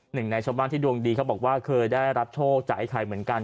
หนึ่งในชาวบ้านที่ดวงดีเขาบอกว่าเคยได้รับโชคจากไอ้ไข่เหมือนกัน